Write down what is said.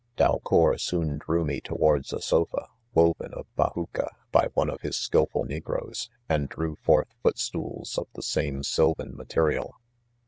Bale our soon drew me towards a sofa, wo ven of bajuca by one of his skillful negroes, and drew forth footsools of the same sylvan material.